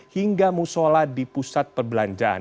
di kota di pusat perbelanjaan